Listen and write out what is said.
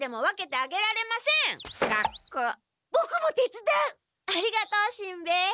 ありがとうしんべヱ。